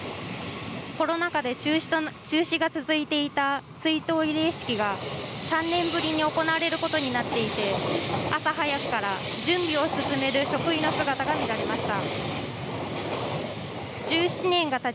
コロナ禍で中止が続いていた追悼慰霊式が、３年ぶりに行われることになっていて、朝早くから準備を進める職員の姿が見られました。